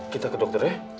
kita ke dokter ya